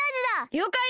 りょうかい！